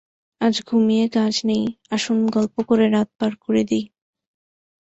আজ ঘুমিয়ে কাজ নেই, আসুন গল্প করে রাত পার করে দিই।